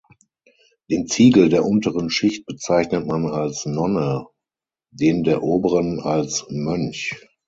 Den Ziegel der unteren Schicht bezeichnet man als „Nonne“, den der oberen als „Mönch“.